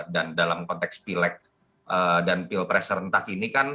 dan dalam konteks pileg dan pil pres serentak ini kan